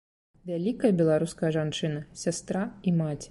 Вялікая беларуская жанчына, сястра і маці!